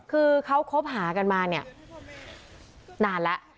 คือเขาคบหากันมานานแล้ว